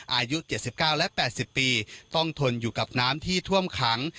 อายุ๗๙และ๘๐ปีต้องทนอยู่กับน้ำที่ท่วมขัง